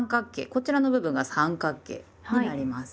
こちらの部分が三角形になります。